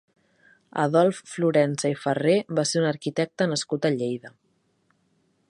Adolf Florensa i Ferrer va ser un arquitecte nascut a Lleida.